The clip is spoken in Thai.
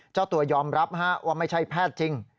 เจ้าตัวยอมรับว่าไม่ใช่แพทย์จริง